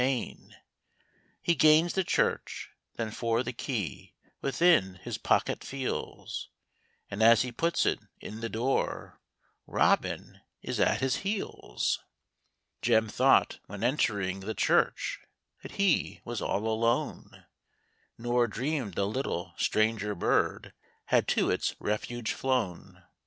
188 He gains the church ; then for the key Within his pocket feels, And as he puts it in the door, Robin is at his heels. THE ROBIN'S CHRISTMAS EVE. Jem thought, when entering the church, That he was all alone, Nor dreamed a little strang er bird, Had to its refuge flown.